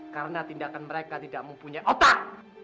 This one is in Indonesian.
karena tindakan mereka tidak mempunyai otak